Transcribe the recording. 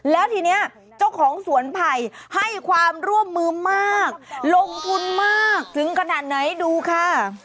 โล่งทุนมากโล่งทุนมากถึงกระดาษไหนดูค่ะ